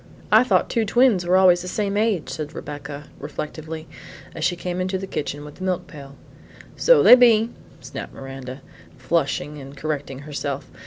"I thought two twins were always the same age," said Rebecca, reflectively, as she came into the kitchen with the milk pail. "So they be," snapped Miranda, flushing and correcting herself.